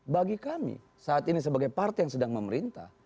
bagi kami saat ini sebagai partai yang sedang memerintah